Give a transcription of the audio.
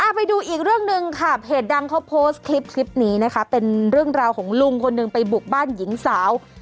ไปดูอีกเรื่องหนึ่งค่ะเพจดังเขาโพสต์คลิปนี้นะคะเป็นเรื่องราวของลุงคนหนึ่งไปบุกบ้านหญิงสาว